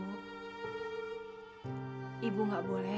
bapaknya renyah teh